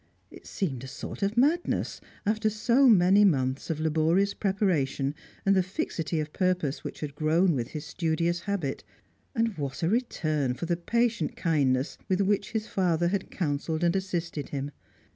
It seemed a sort of madness, after so many months of laborious preparation, and the fixity of purpose which had grown with his studious habit. And what a return for the patient kindness with which his father had counselled and assisted him!